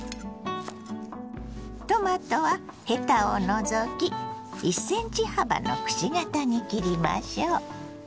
トマトはヘタを除き１ｃｍ幅のくし形に切りましょう。